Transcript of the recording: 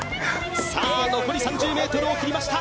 さあ残り３０ｍを切りました